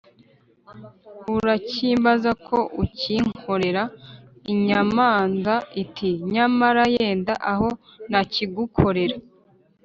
urakimbaza ko ukinkorere?’ inyamanza iti ‘nyamara yenda aho nakigukorera.’